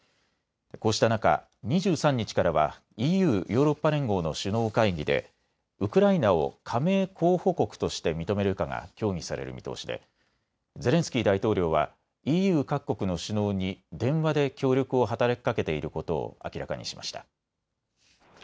こうした中、２３日からはＥＵ・ヨーロッパ連合の首脳会議でウクライナを加盟候補国として認めるかが協議される見通しでゼレンスキー大統領はＥＵ各国の首脳に電話で協力を働きかけていることを明らかにしました。